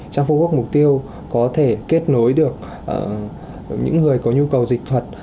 trans bốn work mục tiêu có thể kết nối được những người có nhu cầu dịch thuật